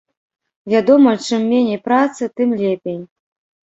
Вядома, чым меней працы, тым лепей.